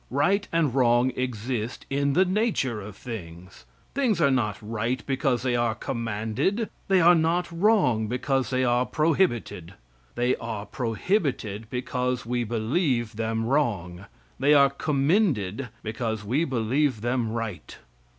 Right and wrong exist in the nature of things. Things are not right because they are commanded; they are not wrong because they are prohibited. They are prohibited because we believe them wrong; they are commended because we believe them right.